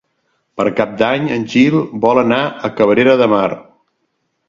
Per Cap d'Any en Gil vol anar a Cabrera de Mar.